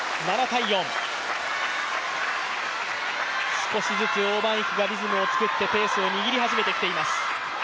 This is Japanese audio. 少しずつ王曼イクがリズムを作って、ペースを握り始めてきています。